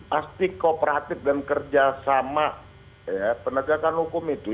pasti kooperatif dan kerjasama penegakan hukum itu